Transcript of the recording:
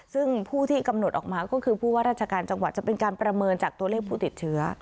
ซึ่งผู้ที่กำหนดออกมาก็คือผู้ว่าราชการจังหวัดจะเป็นการประเมินจากตัวเลขผู้ติดเชื้อ